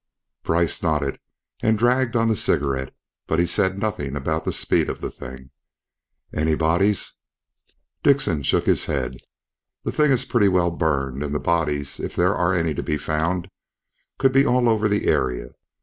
Brice nodded and dragged on the cigarette, but he said nothing about the speed of the thing. "Any bodies?" Dickson shook his head. "The thing is pretty well burned, and the bodies, if there are any to be found, could be all over the area.